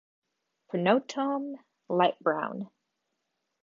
Pronotum light brown.